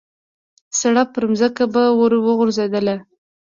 سړپ پرځمکه به ور وغورځېدله.